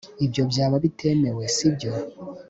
ibyo byaba bitemewe, sibyo